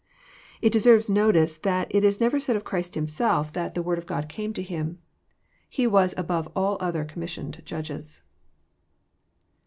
It deserves notice that it is never said of Christ Himself, that the Word of God came to Him." He was above all other com missioned jadges.